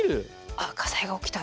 あっ火災が起きた。